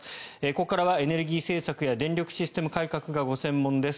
ここからはエネルギー政策や電力システム改革が専門です